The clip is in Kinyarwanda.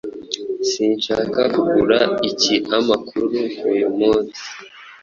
Sinshaka kugura ikiamakuru uyu munsi.